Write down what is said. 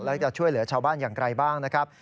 แล้วจะช่วยเหลือชาวบ้านอย่างไรบ้างนะครับ